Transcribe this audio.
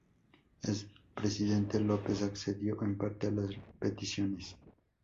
El presidente López accedió en parte a las peticiones.